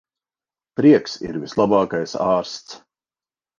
Prieks ir vislabākais ārsts.